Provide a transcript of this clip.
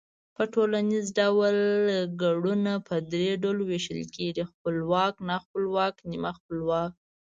په ټوليز ډول گړونه په درې ډلو وېشل کېږي، خپلواک، ناخپلواک، نیم خپلواک